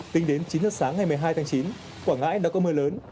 tính đến chín h sáng ngày một mươi hai tháng chín quảng ngãi đã có mưa lớn